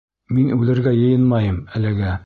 Мин үлергә йыйынмайым әлегә.